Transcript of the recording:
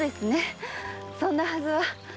そんなはずは。